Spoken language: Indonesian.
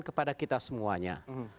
kepada kita semuanya